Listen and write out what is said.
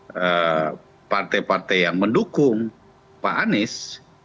karena partai partai yang mendukung pak anies